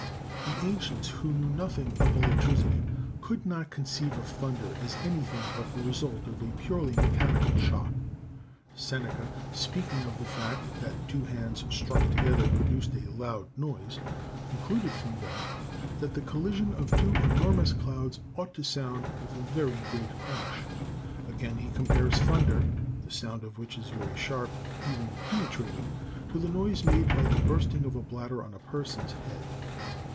The ancients, who knew nothing of electricity, could not conceive of thunder as anything but the result of a purely mechanical shock. Seneca, speaking of the fact that two hands struck together produced a loud noise, con cluded from that that the collision of two enormous clouds ELECTROSTATICS 173 ought to sound with a very great crash. Again, he com pares thunder, "the sound of which is very sharp, even penetrating, to the noise made by the bursting of a bladder on a person's head."